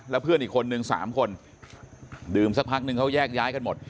แล้วเพื่อนอีกคนนึง๓คนดื่มสักพักนึงเขาแยกย้ายกันหมด